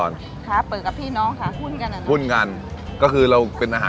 คนที่มาทานอย่างเงี้ยควรจะมาทานแบบคนเดียวนะครับ